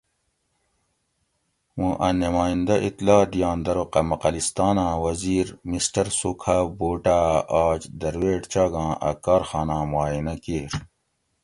موں ا نمائندہ اطلاع دئینت ارو قمقلستاناں وزیر مسٹر سوکھا بوٹاۤ آج درویٹ چاگاں ا کارخاناں معائنہ کیر